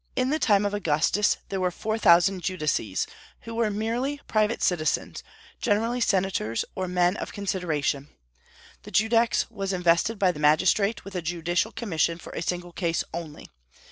In the time of Augustus there were four thousand judices, who were merely private citizens, generally senators or men of consideration. The judex was invested by the magistrate with a judicial commission for a single case only.